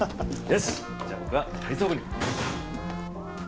よしじゃあ僕は体操部に。